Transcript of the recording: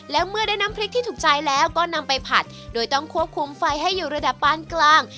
แล้วเมื่อได้น้ำพริกที่ถูกใจแล้วก็นำไปผัดโดยต้องควบคุมไฟให้อยู่ระดับปานกลาง